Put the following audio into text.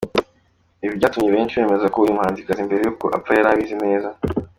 Ibi byatumye benshi bemeza ko uyu muhanzikazi mbere y’uko apfa yari abizi neza.